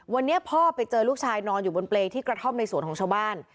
วันนี้พ่อไปเจอลูกชายนอนอยู่บนเปรย์ที่กระท่อมในสวนของชาวบ้าน